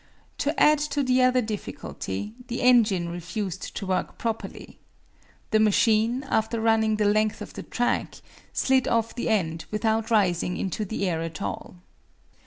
To add to the other difficulty, the engine refused to work properly. The machine, after running the length of the track, slid off the end without rising into the air at all.